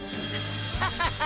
ッハハハハ！！